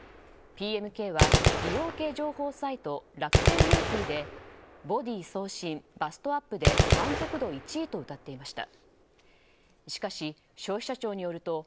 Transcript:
ＰＭＫは、美容系情報サイト楽天ビューティでボディ痩身バストアップで満足度１位とうたっていました。